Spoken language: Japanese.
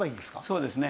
そうですね